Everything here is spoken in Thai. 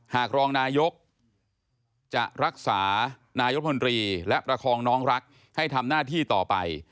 หากรองนายกจะรักษานายมนตรีและประคองน้องรักให้ทำหน้าที่ต่อไป